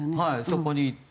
そこに行って。